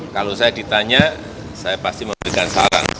kalau saya ditanya saya pasti memberikan saran